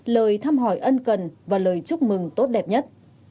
lời thăm hỏi ân cần và lời chúc mừng tốt đẹp nhất